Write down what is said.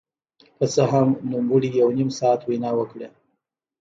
که څه هم نوموړي يو نيم ساعت وينا وکړه.